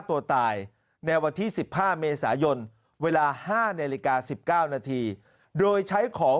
ตัวตายในวันที่๑๕เมษายนเวลา๕นาฬิกา๑๙นาทีโดยใช้ของ